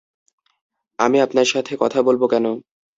আমি আপনার সাথে কথা বলবো কেন?